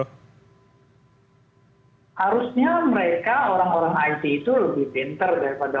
harusnya mereka orang orang it itu lebih pinter daripada